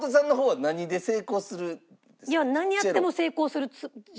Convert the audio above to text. いや何やっても成功する。